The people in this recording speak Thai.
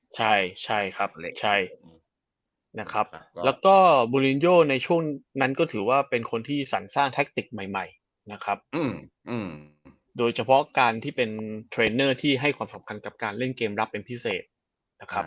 ใช่ใช่ครับใช่นะครับแล้วก็บูรินโยในช่วงนั้นก็ถือว่าเป็นคนที่สรรสร้างแท็กติกใหม่นะครับโดยเฉพาะการที่เป็นเทรนเนอร์ที่ให้ความสำคัญกับการเล่นเกมรับเป็นพิเศษนะครับ